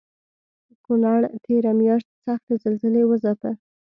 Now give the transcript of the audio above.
کونړ تېره مياشت سختې زلزلې وځپه